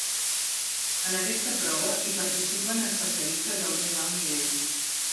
En aquesta prova hi participen especialistes del mes al nivell.